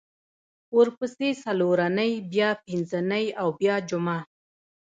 ورپسې څلورنۍ بیا پینځنۍ او بیا جمعه